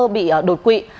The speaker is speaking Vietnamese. bị đột quỵ